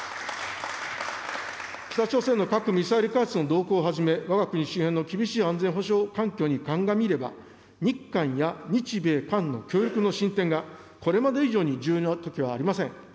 北朝鮮の核・ミサイル開発の動向をはじめ、わが国周辺の厳しい安全保障環境に鑑みれば、日韓や日米韓の協力の進展がこれまで以上に重要な時はありません。